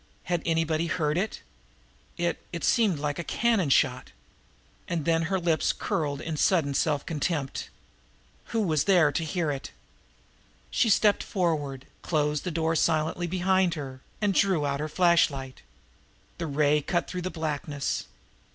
Had anybody heard it? It it had seemed like a cannon shot. And then her lips curled in sudden self contempt. Who was there to hear it? She stepped forward, closed the door silently behind her, and drew out her flashlight. The ray cut through the blackness.